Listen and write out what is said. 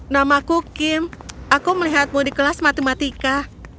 namaku kim aku melihatmu di kelas matematika